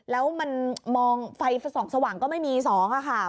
แล้วมันมองไฟส่องสว่างก็ไม่มี๒ค่ะ